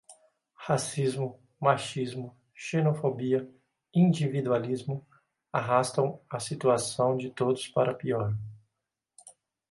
Racismo, machismo, xenofobia, individualismo, arrastam a situação de todos para pior